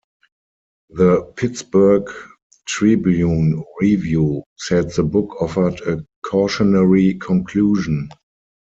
The "Pittsburgh Tribune-Review" said the book offered a "cautionary conclusion".